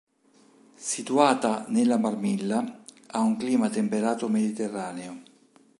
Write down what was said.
Situata nella Marmilla, ha un clima temperato mediterraneo.